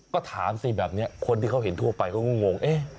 ก็ถามสิแบบนี้คนที่เขาเห็นทั่วไปเขาก็งงเอ๊ะ